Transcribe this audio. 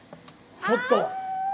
ちょっと！